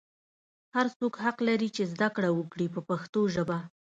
هر څوک حق لري چې زده کړه وکړي په پښتو ژبه.